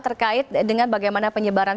terkait dengan bagaimana penyebaran